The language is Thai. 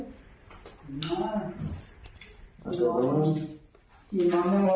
เค้าให้เป็นอุ้ย